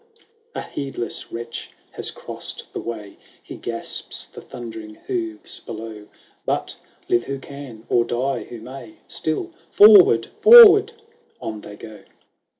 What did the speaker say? xv A heedless wretch has crossed tne way ; He gasps the thundering hoofs below ;— But, live who can, or die who may, Still, " Forward, forward !" On they go.